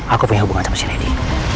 aku punya hubungan sama si lady